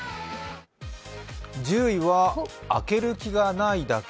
１０位は開ける気がないだけ。